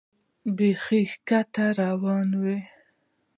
بیخي ښکته روان وې.